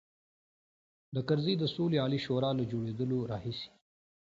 د کرزي د سولې عالي شورا له جوړېدلو راهیسې.